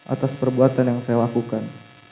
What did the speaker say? atas perbuatan yang saya lakukan